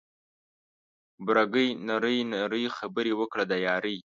بوره ګي نري نري خبري وکړه د یاري